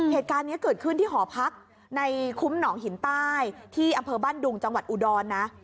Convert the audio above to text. เหตุการณ์นี้เกิดขึ้นที่หอพักในคุ้มหนองหินใต้ที่อำเภอบ้านดุงจังหวัดอุดรนะ